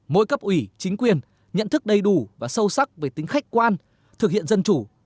mỗi cấp ủy chính quyền nhận thức đầy đủ và sâu sắc về tính khách quan thực hiện dân chủ